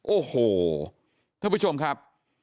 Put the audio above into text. โอ้โหท่านผู้ชมครับ